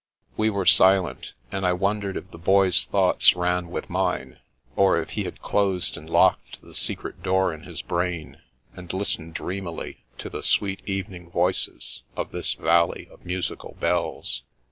We were silent, and I wondered if the Boy's thoughts ran with mine, or if he had closed and locked the secret door in his brain, and listened dreamily to the sweet evening voices of this Valley of Musical Bells.